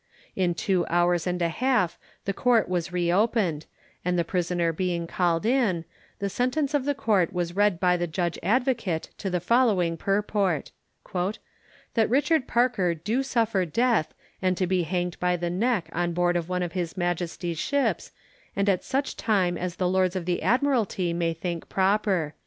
In two hours and a half the Court was re opened, and the prisoner being called in, the sentence of the Court was read by the Judge Advocate to the following purport: "That Richard Parker do suffer death, and to be hanged by the neck on board of one of His Majesty's ships, and at such time as the Lords of the Admiralty may think proper."